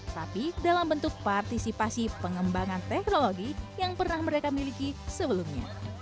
tapi dalam bentuk partisipasi pengembangan teknologi yang pernah mereka miliki sebelumnya